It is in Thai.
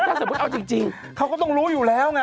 ถ้าสมมุติเอาจริงเขาก็ต้องรู้อยู่แล้วไง